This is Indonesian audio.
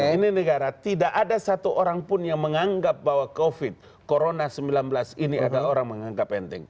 ini negara tidak ada satu orang pun yang menganggap bahwa covid corona sembilan belas ini ada orang menganggap enteng